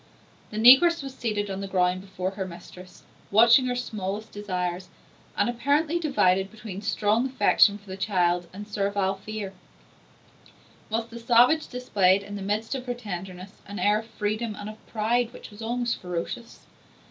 The negress was seated on the ground before her mistress, watching her smallest desires, and apparently divided between strong affection for the child and servile fear; whilst the savage displayed, in the midst of her tenderness, an air of freedom and of pride which was almost ferocious.